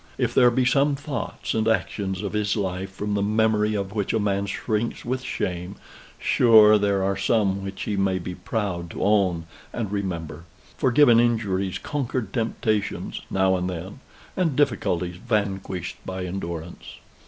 If there be some thoughts and actions of his life from the memory of which a man shrinks with shame, sure there are some which he may be proud to own and remember; forgiven injuries, conquered temptations (now and then) and difficulties vanquished by endurance.